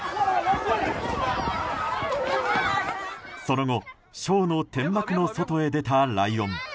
その後、ショーの天幕の外へ出たライオン。